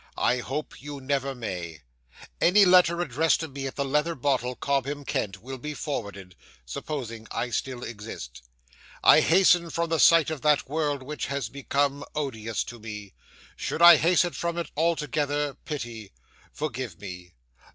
I hope you never may. 'Any letter addressed to me at the Leather Bottle, Cobham, Kent, will be forwarded supposing I still exist. I hasten from the sight of that world, which has become odious to me. Should I hasten from it altogether, pity forgive me.